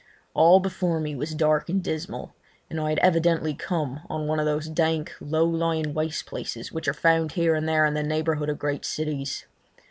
All before me was dark and dismal, and I had evidently come on one of those dank, low lying waste places which are found here and there in the neighbourhood of great cities.